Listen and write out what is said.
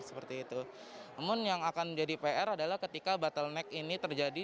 namun yang akan menjadi pr adalah ketika bottleneck ini terjadi